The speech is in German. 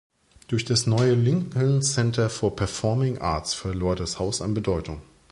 Durch das neue Lincoln Center for the Performing Arts verlor das Haus an Bedeutung.